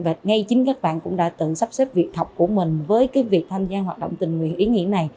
và ngay chính các bạn cũng đã tự sắp xếp việc học của mình với cái việc tham gia hoạt động tình nguyện ý nghĩa này